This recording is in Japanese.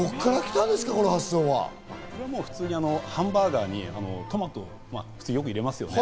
普通にハンバーガーにトマトをよく入れますよね？